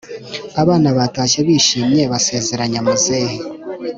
abana batashye bishimye basezeranya muzehe